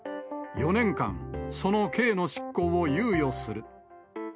４年間、その刑の執行を猶予する。